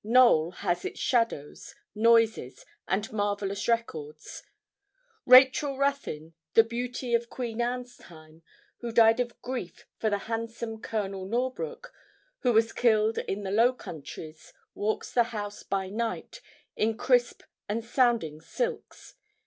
Knowl has its shadows, noises, and marvellous records. Rachel Ruthyn, the beauty of Queen Anne's time, who died of grief for the handsome Colonel Norbrooke, who was killed in the Low Countries, walks the house by night, in crisp and sounding silks.